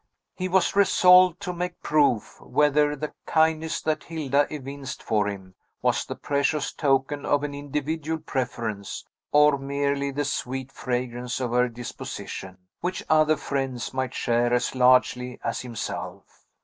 He was resolved to make proof whether the kindness that Hilda evinced for him was the precious token of an individual preference, or merely the sweet fragrance of her disposition, which other friends might share as largely as himself.